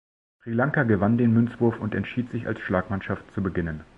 Sri Lanka gewann den Münzwurf und entschieden sich als Schlagmannschaft zu beginnen.